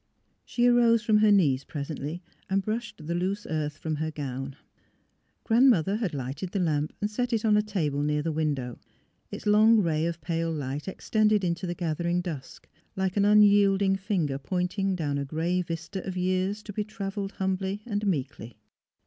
She arose from her knees presently and brushed the loose earth from her gown. Grandmother had lighted the lamp and set it on a table near the window. Its long ray of pale light extended into the gathering dusk, like an unyielding finger point ing down a gray vista of years to be travelled humbly and meekly.